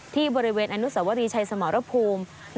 ที่บริเวณอนุสวรีชัยสมรภูมิ